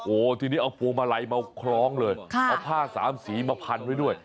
โอ้ทีนี้เอาโผล่มาลัยมาเอาคล้องเลยค่ะเอาผ้าสามสีมาพันด้วยด้วย